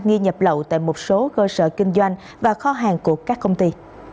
nghi nhập lậu tại một số cơ sở kinh doanh và kho hàng của các công ty